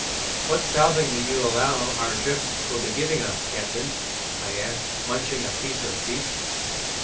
"What southing do you allow our drift will be giving us, captain?" I asked, munching a piece of beef.